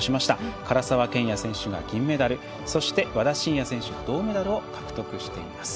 唐澤剣也選手が銀メダルそして、和田伸也選手が銅メダルを獲得しています。